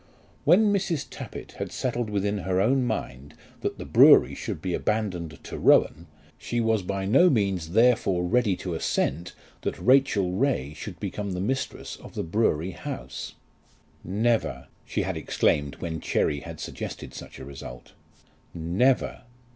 When Mrs. Tappitt had settled within her own mind that the brewery should be abandoned to Rowan, she was by no means, therefore, ready to assent that Rachel Ray should become the mistress of the brewery house. "Never," she had exclaimed when Cherry had suggested such a result; "never!"